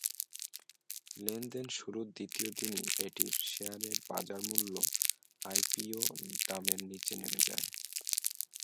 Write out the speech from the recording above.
লেনদেন শুরুর দ্বিতীয় দিনেই এটির শেয়ারের বাজারমূল্য আইপিও দামের নিচে নেমে যায়।